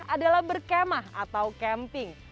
adalah berkemah atau camping